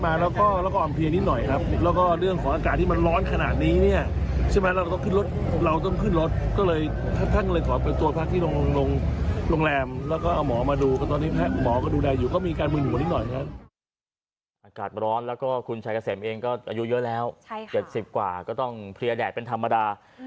อากาศร้อนแล้วก็คุณชายเกษมเองก็อายุเยอะแล้ว๗๐กว่าก็ต้องเพลียแดดเป็นธรรมดา